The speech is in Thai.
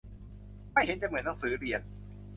ไม่เห็นจะเหมือนหนังสือเรียน